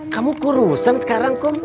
kamu kurusan sekarang kum